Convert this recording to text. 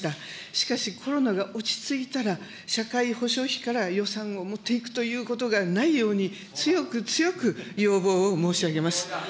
しかし、コロナが落ち着いたら、社会保障費から予算を持っていくということがないように、強く強く要望を申し上げます。